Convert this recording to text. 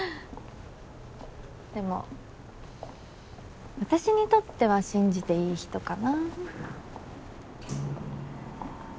でも私にとっては信じていい人かな。